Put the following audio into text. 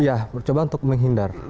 ya coba untuk menghindar